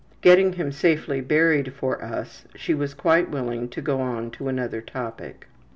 Getting him safely buried for us, she was quite willing to go on to another topic.